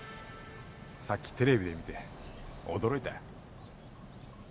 さっきテレビで見て驚いたよ。